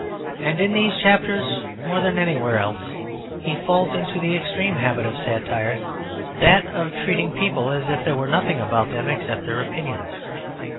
And in these chapters more than anywhere else he falls into the extreme habit of satire, that of treating people as if there were nothing about them except their opinions.